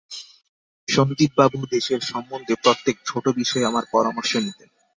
সন্দীপবাবু দেশের সম্বন্ধে প্রত্যেক ছোটো বিষয়ে আমার পরামর্শ নিতেন।